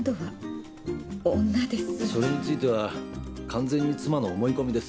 それについては完全に妻の思い込みです。